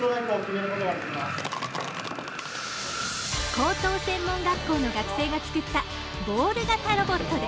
高等専門学校の学生が作ったボール型ロボットです。